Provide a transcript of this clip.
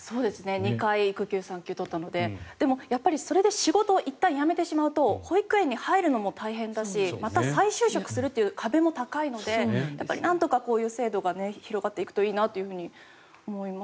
２回、３回育休取ったのででもやっぱりそれで仕事をいったん辞めると保育園に入るのも大変だし再就職する壁も大変なのでこういう制度が広がっていくといいなと思います。